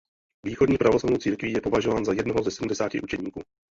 Východní pravoslavnou církví je považován za jednoho ze sedmdesáti učedníků.